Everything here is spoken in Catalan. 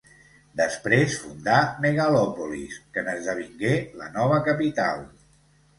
Després fundà Megalòpolis, que n'esdevingué la nova capital.